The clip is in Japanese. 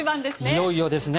いよいよですね。